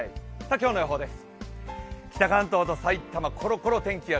今日の予報です。